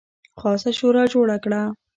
خاصه شورا جوړه کړه.